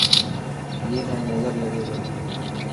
اي نا نظر لگي گئي.